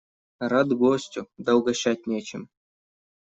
Рад гостю, да угощать нечем.